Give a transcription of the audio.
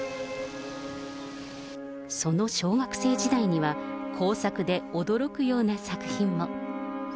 その小学生時代には、工作で驚くような作品も。